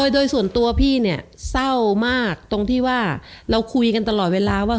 โดยส่วนตัวพี่เนี่ยเศร้ามากตรงที่ว่าเราคุยกันตลอดเวลาว่า